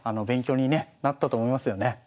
勉強にねなったと思いますよね。